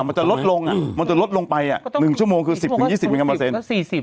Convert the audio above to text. มันจะลดลงไป๑ชั่วโมงคือ๑๐๒๐มิลลิกรัมเปอร์เซ็นต์